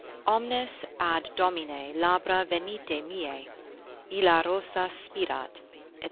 Omnes ad dominae labra venite meae, Illa rosas spirat, &c.